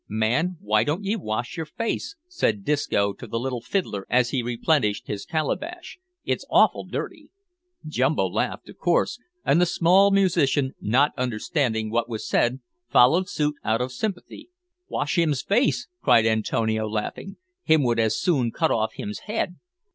"Man, why don't ye wash yer face?" said Disco to the little fiddler as he replenished his calabash; "it's awful dirty." Jumbo laughed, of course, and the small musician, not understanding what was said, followed suit out of sympathy. "Wash him's face!" cried Antonio, laughing, "him would as soon cut off him's head.